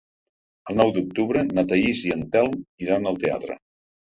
El nou d'octubre na Thaís i en Telm iran al teatre.